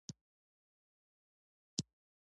افغانستان د وحشي حیوانات د پلوه ځانته ځانګړتیا لري.